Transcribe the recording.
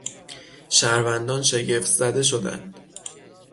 شهروندان شگفت زده شدند.